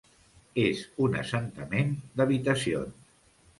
És un assentament d'habitacions.